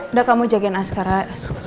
udah kamu jagain aku sekarang